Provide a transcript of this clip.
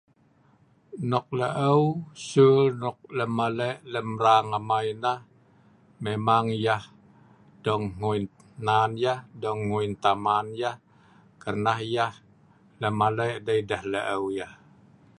nok la'eu sul nok lemale' lem rang amai nah memang yah dong hngui nan yah dong hngui taman yah karna yah lak lemale' dei deh la'eu yah